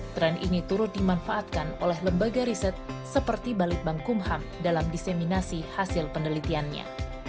tren ini turut dimanfaatkan oleh lembaga riset seperti balitbang kumham dalam diseminasi hasil penelitiannya